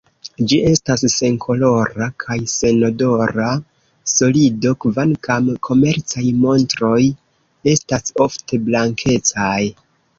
Ĝi estas senkolora kaj senodora solido, kvankam komercaj montroj estas ofte blankecaj.